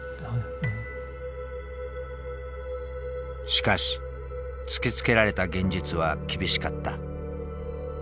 しかし突きつけられた現実は厳しかった。